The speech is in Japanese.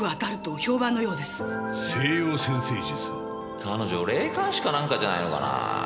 彼女霊感師かなんかじゃないのかなぁ。